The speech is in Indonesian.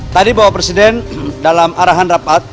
tadi bapak presiden dalam arahan rapat